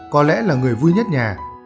có lẽ là người vui nhất nhà